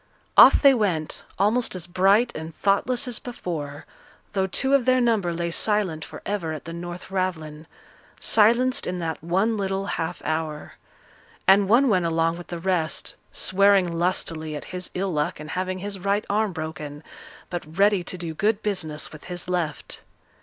Off they went, almost as bright and thoughtless as before, though two of their number lay silent for ever at the North Ravelin silenced in that one little half hour. And one went along with the rest, swearing lustily at his ill luck in having his right arm broken, but ready to do good business with his left.